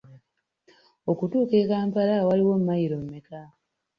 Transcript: Okutuuka e Kampala waliwo mmayiro mmeka?